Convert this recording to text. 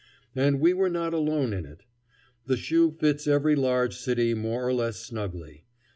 And we were not alone in it. The shoe fits every large city more or less snugly.